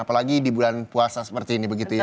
apalagi di bulan puasa seperti ini begitu ya